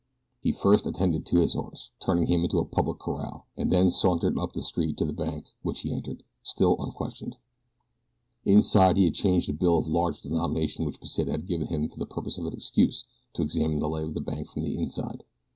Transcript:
He first attended to his horse, turning him into a public corral, and then sauntered up the street to the bank, which he entered, still unquestioned. Inside he changed a bill of large denomination which Pesita had given him for the purpose of an excuse to examine the lay of the bank from the inside.